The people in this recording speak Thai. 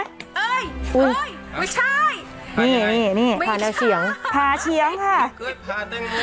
เอ้ยไม่ใช่ไม่ใช่ไม่เคยภาแตงโม